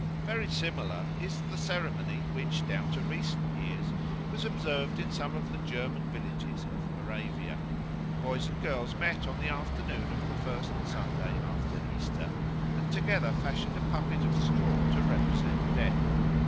Very similar is the ceremony which, down to recent years, was observed in some of the German villages of Moravia. Boys and girls met on the afternoon of the first Sunday after Easter, and together fashioned a puppet of straw to represent Death.